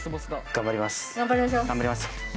頑張ります。